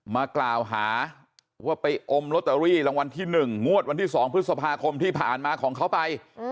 มากล่าวหาว่าไปอมลอตเตอรี่รางวัลที่๑งวดวันที่๒พฤษภาคมที่ผ่านมาของเขาไป